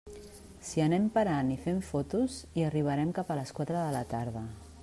Si anem parant i fent fotos, hi arribarem cap a les quatre de la tarda.